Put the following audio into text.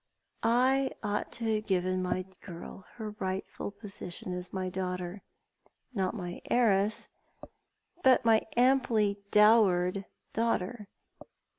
I ought to have given my girl her rightful position as my daughter— not my heiress— but my amply dowered daughter.